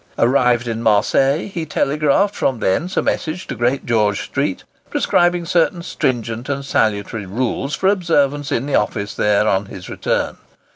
Arrived at Marseilles, he telegraphed from thence a message to Great George Street, prescribing certain stringent and salutary rules for observance in the office there on his return.